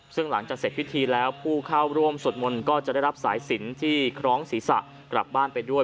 ซึ่งหลังจากเสร็จพิธีแล้วผู้เข้าร่วมสวดมนต์ก็จะได้รับสายสินที่คล้องศีรษะกลับบ้านไปด้วย